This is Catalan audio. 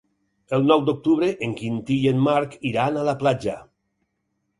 El nou d'octubre en Quintí i en Marc iran a la platja.